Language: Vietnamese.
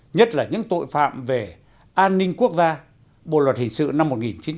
nhất là những tội phạm về an ninh quốc gia bộ luật hình sự năm một nghìn chín trăm bảy mươi năm